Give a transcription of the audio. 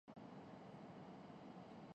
وزیراعلی پنجاب کی Asian bank کے وفد سے ملاقات